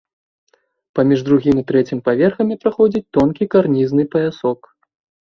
Паміж другім і трэцім паверхамі праходзіць тонкі карнізны паясок.